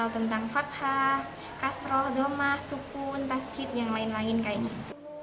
karena tentang fathah kasroh doma sukun tascit yang lain lain kayak gitu